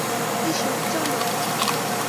এসো, চলো।